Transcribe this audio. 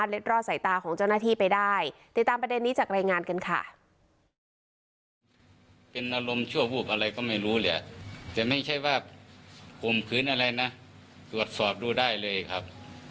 แต่ไม่ใช่ว่าคมคืนอะไรนะตรวจสอบดูได้เลยครับ